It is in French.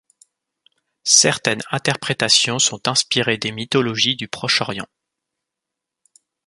Certaines interprétations sont inspirées des mythologies du Proche-Orient.